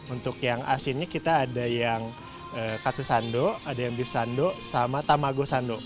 untuk yang asinnya kita ada yang katsu sando ada yang beef sando sama tamago sando